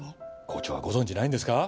校長はご存じないんですか？